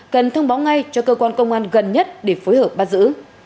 cần thông báo ngay cho cơ quan công an gần nhất để phối hợp bắt giữ